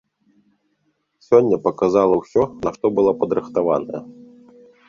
Сёння паказала ўсё, на што была падрыхтаваная.